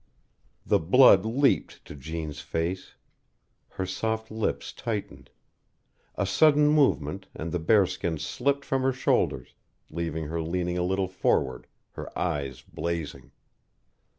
The blood leaped to Jeanne's face. Her soft lips tightened. A sudden movement, and the bearskin slipped from her shoulders, leaving her leaning a little forward, her eyes blazing.